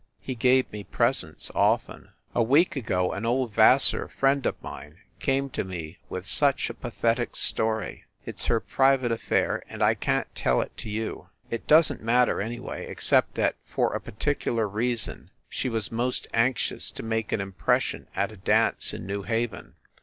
He gave me presents often. A week ago an old Vassar friend of mine came to me with such a pathetic story ! It s her private af fair, and I can t tell it to you. It doesn t matter. THE SUITE AT THE PLAZA 139 anyway, except that, for a particular reason, she was most anxious to make an impression at a dance in New Haven.